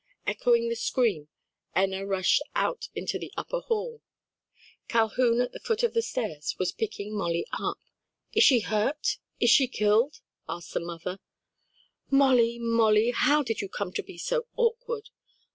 Echoing the scream, Enna rushed out into the upper hall. Calhoun at the foot of the stairs, was picking Molly up. "Is she hurt? Is she killed?" asked the mother, "Molly, Molly, how did you come to be so awkward?"